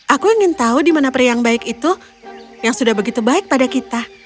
aku ingin tahu di mana pria yang baik itu yang sudah begitu baik pada kita